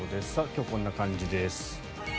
今日はこんな感じです。